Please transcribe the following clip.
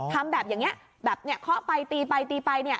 ทำแบบอย่างนี้แบบเนี่ยเคาะไปตีไปตีไปเนี่ย